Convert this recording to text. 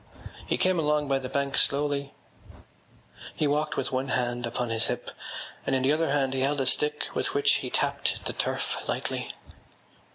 He came along by the bank slowly. He walked with one hand upon his hip and in the other hand he held a stick with which he tapped the turf lightly.